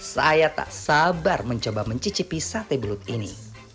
saya tak sabar mencoba mencicipi sate belut ini